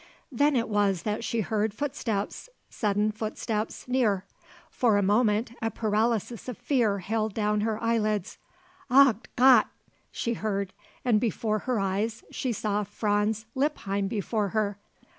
Then it was that she heard footsteps, sudden footsteps, near. For a moment a paralysis of fear held down her eyelids. "Ach Gott!" she heard. And opening her eyes, she saw Franz Lippheim before her.